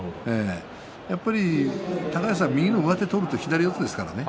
やっぱり高安は右の上手を取ると左四つですからね。